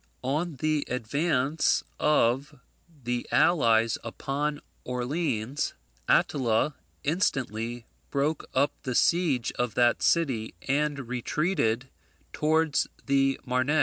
On the advance of the allies upon Orleans, Attila instantly broke up the siege of that city, and retreated towards the Marne.